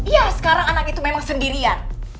ya sekarang anak itu memang sendirian